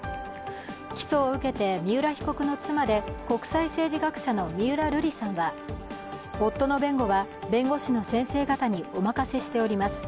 起訴を受けて三浦被告の妻で国際政治学者の三浦瑠麗さんは夫の弁護は弁護士の先生方にお任せしております。